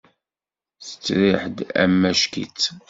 Tettriḥ-d amack-itt.